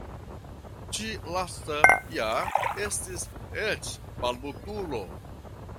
Ĉi lasta ja estis eĉ balbutulo!